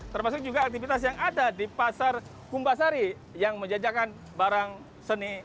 termasuk juga aktivitas yang ada di pasar kumbasari yang menjajakan barang seni